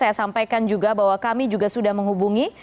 saya sampaikan juga bahwa kami juga sudah menghubungi